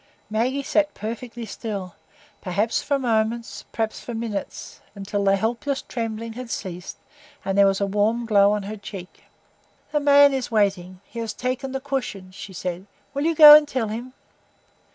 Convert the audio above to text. Maggie sat perfectly still—perhaps for moments, perhaps for minutes—until the helpless trembling had ceased, and there was a warm glow on her check. "The man is waiting; he has taken the cushions," she said. "Will you go and tell him?"